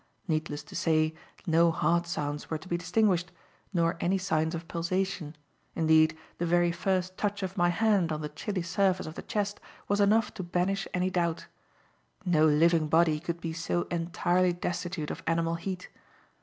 Needless to say, no heart sounds were to be distinguished, nor any signs of pulsation; indeed, the very first touch of my hand on the chilly surface of the chest was enough to banish any doubt. No living body could be so entirely destitute of animal heat.